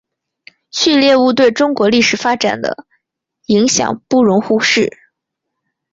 旭烈兀对中国历史发展的影响不容忽视。